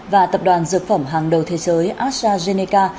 và tập đoàn dược phẩm hàng đầu thế giới astrazeneca